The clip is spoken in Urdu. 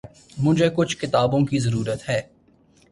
مجھے کچھ کتابوں کی ضرورت ہے۔